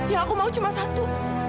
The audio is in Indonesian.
ya aku mau cuma satu